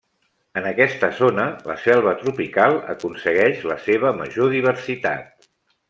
En aquesta zona la selva tropical aconsegueix la seva major diversitat.